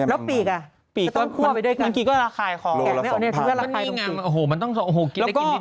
อันนี้ส่งมาในทวิตเตอร์เลยนะครับ